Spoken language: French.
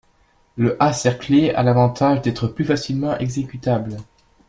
Le A cerclé a l’avantage d’être plus facilement exécutable.